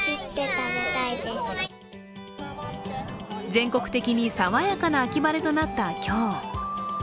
全国的に爽やかな秋晴れとなった今日。